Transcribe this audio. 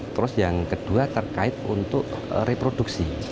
terus yang kedua terkait untuk reproduksi